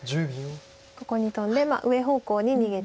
ここにトンで上方向に逃げていこうと。